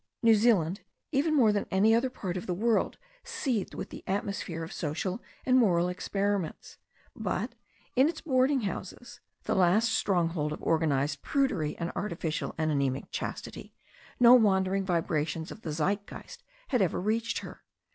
New Zealand, even more than any other part of the world, seethed with the atmosphere of social and moral ex periments. But, in its boarding houses, the last stronghold of organized prudery and artificial and anaemic chastity, no wandering vibrations of the Zeitgeist had ever reached her.